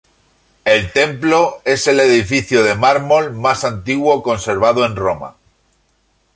El templo es el edificio de mármol más antiguo conservado en Roma.